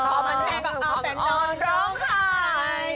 ข้อมันแห้งข้อมันอ่อนร้องไข่